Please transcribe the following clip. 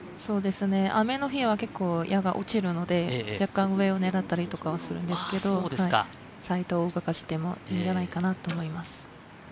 雨の日は結構、矢が落ちるので若干、上を狙ったりするんですけど、サイトを動かしてもいいんじゃないかなと思います。